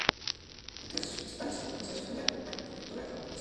Otras de sus principales influencias fue la arquitectura japonesa.